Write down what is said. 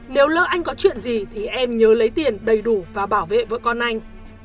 nếu lỡ anh có chuyện gì thì em nhớ lấy tiền đầy đủ và bảo vệ vợ con anh